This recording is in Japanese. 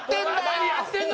何やってんの？